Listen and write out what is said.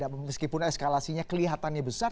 meskipun eskalasinya kelihatannya besar